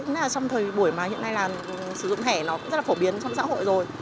trong thời buổi mà hiện nay là sử dụng thẻ nó cũng rất là phổ biến trong xã hội rồi